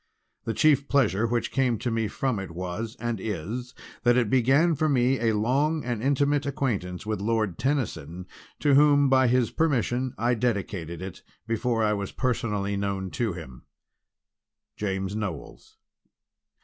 The chief pleasure which came to me from it was, and is, that it began for me a long and intimate acquaintance with Lord Tennyson, to whom, by his permission, I Dedicated it before I was personally known to him. JAMES KNOWLES.